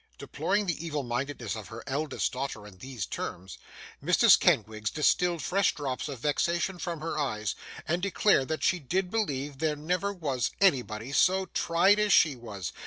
Deploring the evil mindedness of her eldest daughter in these terms, Mrs Kenwigs distilled fresh drops of vexation from her eyes, and declared that she did believe there never was anybody so tried as she was.